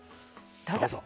どうぞ。